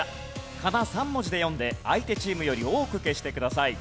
かな３文字で読んで相手チームより多く消してください。